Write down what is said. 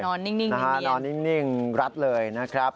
นอนนิ่งรัดเลยนะครับ